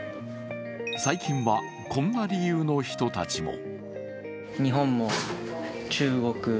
最近はこんな理由の人たちも。